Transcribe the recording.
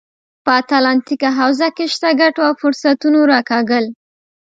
په اتلانتیک حوزه کې شته ګټو او فرصتونو راکاږل.